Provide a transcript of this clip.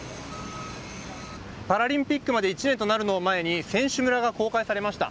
パラリンピックまで１年となるのを前に、選手村が公開されました。